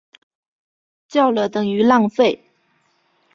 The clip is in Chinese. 叫了等于浪费